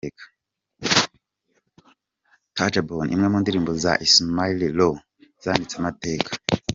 Tajabone, imwe mu ndirimbo za Ismaël Lô zanditse amateka.